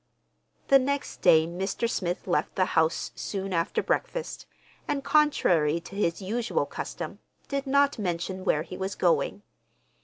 The next day Mr. Smith left the house soon after breakfast, and, contrary to his usual custom, did not mention where he was going.